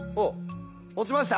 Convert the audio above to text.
持ちました？